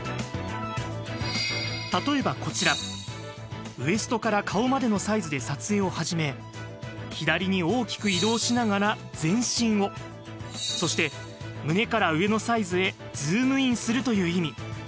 例えばこちら、ウエストから顔までのサイズで撮影を始め左に大きく移動しながら全身をそして胸から上のサイズへズームインするという意味。